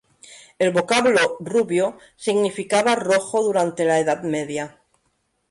El vocablo "Rubio" significaba rojo durante la Edad Media.